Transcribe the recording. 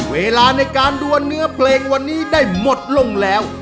เวลาในการดวนเนื้อเพลงวันนี้ได้หมดลงแล้ว